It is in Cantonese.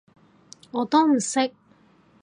我都唔識